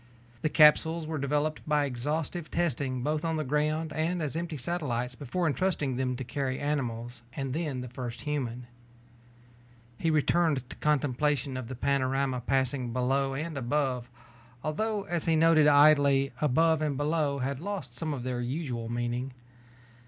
The capsules were developed by exhaustive testing both on the ground and as empty satellites before entrusting them to carry animals and then the first human. He returned to contemplation of the panorama passing below and above, although as he noted idly, above and below had lost some of their usual meaning.